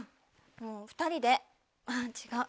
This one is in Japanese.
もう２人であぁ違う。